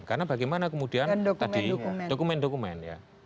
karena bagaimana kemudian dokumen dokumen